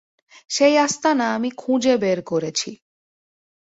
সেই আস্তানা আমি খুঁজে বের করেছি।